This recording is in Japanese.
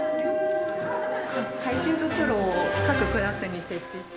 回収袋を各クラスに設置して。